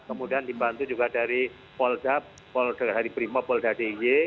kemudian dibantu juga dari poljab poljab hari primo poljab d i